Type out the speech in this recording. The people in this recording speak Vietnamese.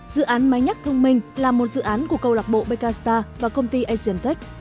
dự án máy nhắc thông minh là một dự án của câu lạc bộ bk star và công ty asian tech